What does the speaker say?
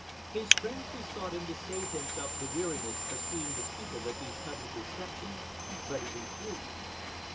His friends besought him to save himself the weariness of seeing the people at these public receptions, but he refused.